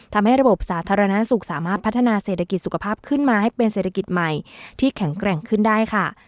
ทำให้ระบบสาธารณสุขสามารถพัฒนาเศรษฐกิจสุขภาพขึ้นมาให้เป็นเศรษฐกิจใหม่ที่แข็งแกร่งขึ้นได้ค่ะ